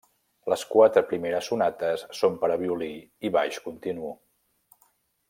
Les quatre primeres sonates són per a violí i baix continu.